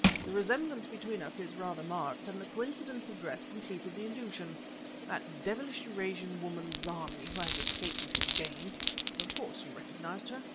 The resemblance between us is rather marked and the coincidence of dress completed the illusion. That devilish Eurasian woman, Zarmi, who has escaped us again of course you recognized her?